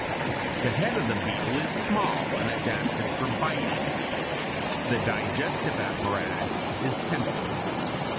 ] The head of the beetle is small and adapted for biting (Fig. 200); the digestive apparatus is simple.